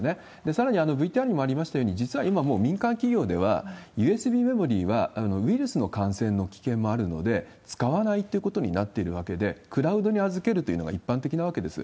さらにＶＴＲにもありましたように、実は今、もう民間企業ではＵＳＢメモリは、ウイルスの感染の危険もあるので、使わないってことになっているわけで、クラウドに預けるというのが一般的なわけです。